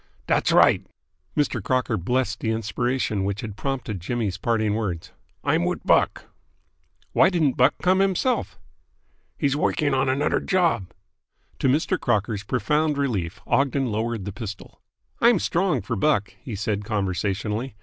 "Dat's right!" Mr. Crocker blessed the inspiration which had prompted Jimmy's parting words. "I'm wit Buck." "Why didn't Buck come himself?" "He's woiking on anudder job!" To Mr. Crocker's profound relief Ogden lowered the pistol. "I'm strong for Buck," he said conversationally.